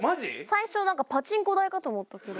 最初なんかパチンコ台かと思ったそれ。